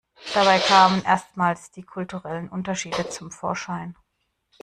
Dabei kamen erstmals die kulturellen Unterschiede zum Vorschein.